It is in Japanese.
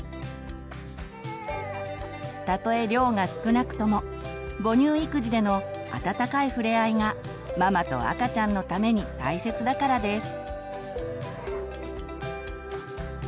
たとえ量が少なくとも母乳育児でのあたたかいふれあいがママと赤ちゃんのために大切だからです。